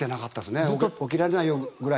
起きられないくらい。